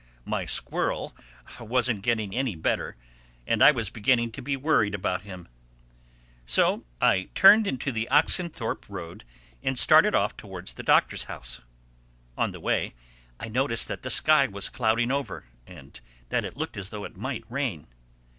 My squirrel wasn't getting any better and I was beginning to be worried about him. So I turned into the Oxenthorpe Road and started off towards the Doctor's house. On the way I noticed that the sky was clouding over and that it looked as though it might rain.